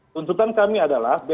tuntutan kami adalah bpom